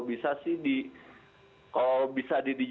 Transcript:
jadi satu satu di kopinya tulis tangan kan tuh lumayan mbak ya waktu itu ya